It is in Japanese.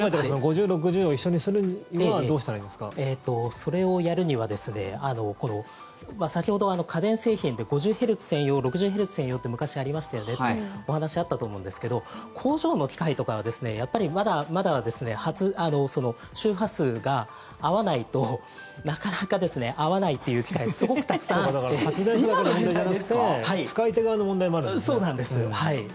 ５０、６０を一緒にするにはそれをやるには先ほど家電製品で５０ヘルツ専用６０ヘルツ専用って昔ありましたよねってお話あったと思うんですけど工場の機械とかはまだまだ周波数が合わないとなかなか合わないという機械すごくたくさんあるんです。